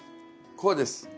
こうです。